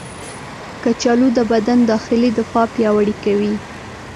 کچالو د بدن داخلي دفاع پیاوړې کوي.